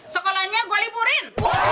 sekolahnya gua liburin